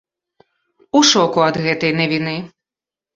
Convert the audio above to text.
У шоку ад гэтай навіны.